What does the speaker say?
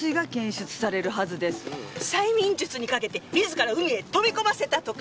催眠術にかけて自ら海へ飛び込ませたとか。